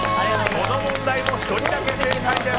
この問題も１人だけ正解です。